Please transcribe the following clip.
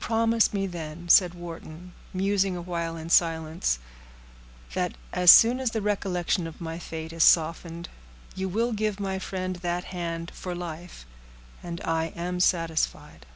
"Promise me, then," said Wharton, musing awhile in silence, "that as soon as the recollection of my fate is softened, you will give my friend that hand for life, and I am satisfied."